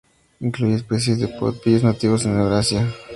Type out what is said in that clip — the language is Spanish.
Incluye especies de Topillos nativos de Eurasia.